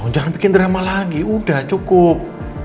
jangan bikin drama lagi udah cukup